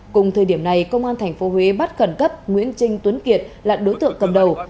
cùng thời điểm này công an tp huế bắt khẩn cấp nguyễn trinh tuấn kiệt là đối tượng cầm đầu